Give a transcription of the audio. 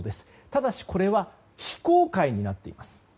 ただしこれは非公開になっています。